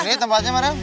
ini tempatnya maref